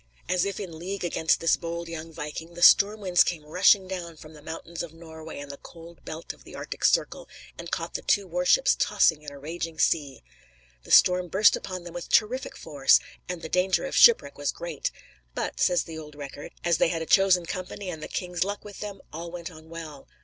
As if in league against this bold young viking the storm winds came rushing down from the mountains of Norway and the cold belt of the Arctic Circle and caught the two war ships tossing in a raging sea. The storm burst upon them with terrific force, and the danger of shipwreck was great. "But," says the old record, "as they had a chosen company and the king's luck with them all went on well."